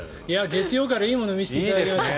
月曜からいいものを見させていただきました。